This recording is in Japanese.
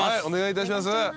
お願いいたします。